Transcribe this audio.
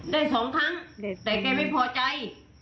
ได้สองครั้งแต่แกไม่พอใจ